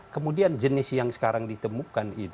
kemudian jenis yang sekarang ditemukan